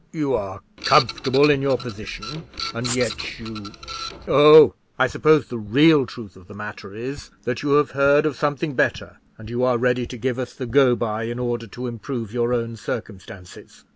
"You are comfortable in your position, and yet you—Oh! I suppose the real truth of the matter is, that you have heard of something better, and you are ready to give us the go by in order to improve your own circumstances?"